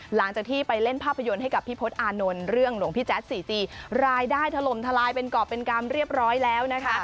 หลังจากที่ไปเล่นภาพยนตร์ให้กับพี่พศอานนท์เรื่องหลวงพี่แจ๊ดสี่ตีรายได้ถล่มทลายเป็นกรอบเป็นกรรมเรียบร้อยแล้วนะคะ